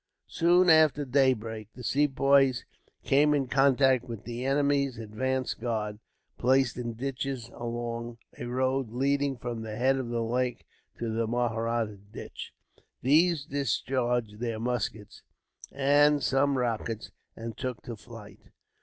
Soon after daybreak, the Sepoys came in contact with the enemy's advanced guard, placed in ditches along a road leading from the head of the lake to the Mahratta Ditch. These discharged their muskets, and some rockets, and took to flight.